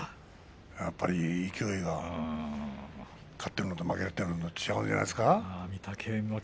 やっぱり勢いが勝ってるのと負けているのでは違うんじゃないですか。